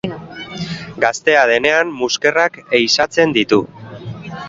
Gaztea denean muskerrak ehizatzen ditu.